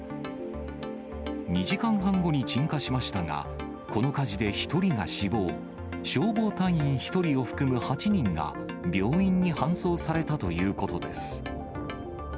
２時間半後に鎮火しましたが、この火事で１人が死亡、消防隊員１人を含む８人が病院に搬送されたということです。